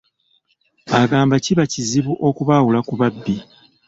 Agamba kiba kizibu okubaawula ku babbi.